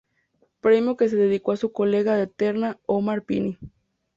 Premio que se lo dedicó a su colega de terna Omar Pini.